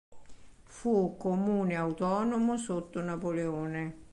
Fu comune autonomo sotto Napoleone.